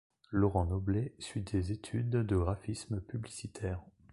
Laurent Noblet suit des études de graphisme publicitaire.